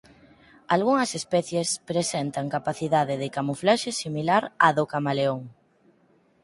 Algunhas especies presentan capacidade de camuflaxe similar á do camaleón.